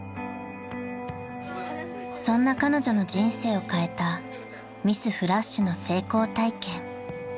［そんな彼女の人生を変えたミスＦＬＡＳＨの成功体験］